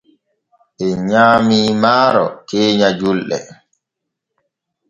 En nyaamii maaro keenya julɗe.